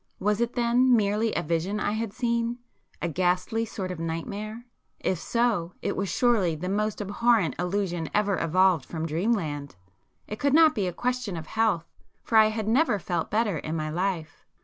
Was it then merely a vision I had seen?—a ghastly sort of nightmare? If so, it was surely the most abhorrent illusion ever evolved from dreamland! It could not be a question of health, for I had never felt better in my life.